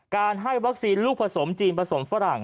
ให้วัคซีนลูกผสมจีนผสมฝรั่ง